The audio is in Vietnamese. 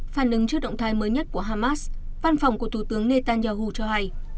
phản ứng trước động thái mới nhất của hamas văn phòng của thủ tướng netanyahu cho hay